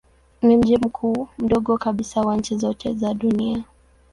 Ni mji mkuu mdogo kabisa wa nchi zote za dunia.